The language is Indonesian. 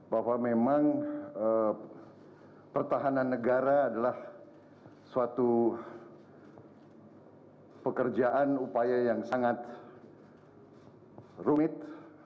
bahwa memang pertahanan negara adalah suatu pekerjaan upaya yang sangat rumit